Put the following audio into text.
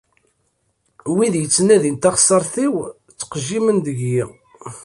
Wid yettnadin taxessart-iw, ttqejjimen deg-i.